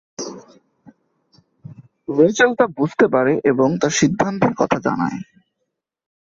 Rachel তা বুঝতে পারে এবং তার সিদ্ধান্তের কথা জানায়।